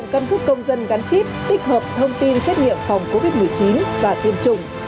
các công dân gắn chip tích hợp thông tin xét nghiệm phòng covid một mươi chín và tiêm chủng